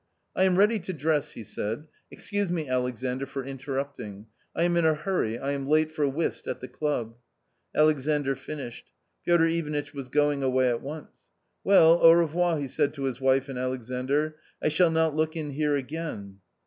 "I am ready to dress," he said; "excuse me, Alexandr, for interrupting. I am in a hurry, I am late for whist at the club." Alexandr finished. Piotr Ivanitch was going away at once. " Well, au revoir/" he said to his wife and Alexandr; " 1 shall not look in here again."